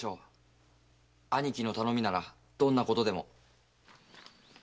兄貴の頼みならどんなことでも。